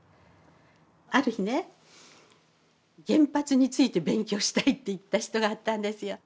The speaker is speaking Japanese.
ある日ね「原発について勉強したい」って言った人があったんですよ。